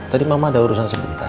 tadi mama ada urusan sebentar